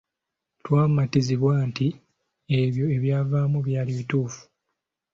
Twamatizibwa nti ebyo ebyavaamu byali bituufu.